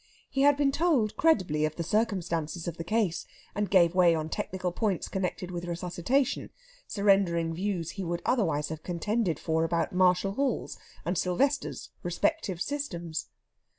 He had been told credibly of the circumstances of the case, and gave way on technical points connected with resuscitation, surrendering views he would otherwise have contended for about Marshall Hall's and Silvester's respective systems.